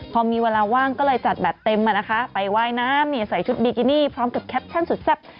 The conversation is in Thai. พอมีเวลาว่างก็เลยจัดแบบเต็มอ่ะนะคะไปว่ายน้ำใส่ชุดบิกินี่พร้อมกับแคปชั่นสุดแซ่บ